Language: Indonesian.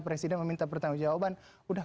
presiden meminta pertanggungjawaban udah